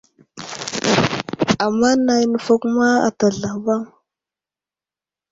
Ama nay nəfakuma ata zlavaŋ.